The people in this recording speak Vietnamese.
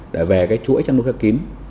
để về cái chuỗi chăn nuôi khép kín